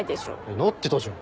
なってたじゃん。